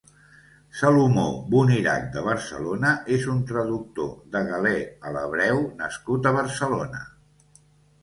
Salomó Bonirac de Barcelona és un traductor de Galè a l'hebreu nascut a Barcelona.